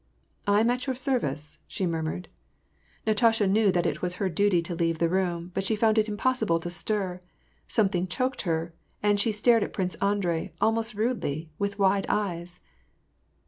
" I am at your service," she murmured. Natasha knew that it was her duty to leave the room, but she found it impossible to stir: something choked her, and she stared at Prince Andrei, almost rudely, with wide eyes.